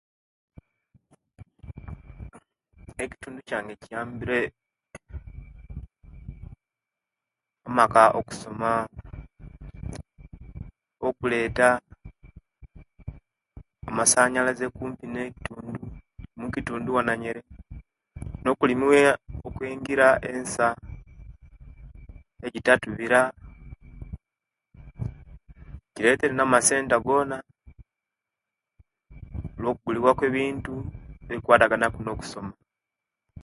Ekitundu kyange kiyambire amaka okusoma okuleeta amasanyalaze okuumpi ne kitundu mukitundu mowanayere no okulimiwa nengira ensa ejitatubira gjiretere na amasenta gona no okuguliwa okweebintu nebikwataganaku no okusoma